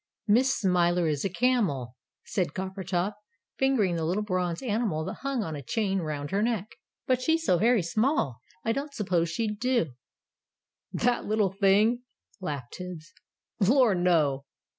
"Miss Smiler is a camel," said Coppertop, fingering the little bronze animal that hung on a chain round her neck. "But she's so very small, I don't suppose she'd do." "That little thing!" laughed Tibbs. "Lor, no!"